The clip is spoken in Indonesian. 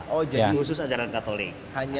hanya untuk agama katolik